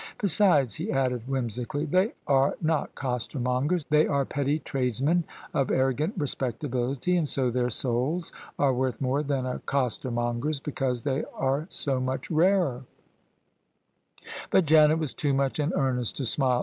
Besides," he added whimsically, " they are not costermongers: they are petty tradesmen of arrogant respectability; and so their souls are worth more than a costermonger's because they are so much rarer." OF ISABEL CARNABY But Janet was too much in earnest to smile.